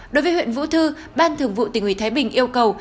đối với huyện vũ thư ban thường vụ tỉnh ủy thái bình yêu cầu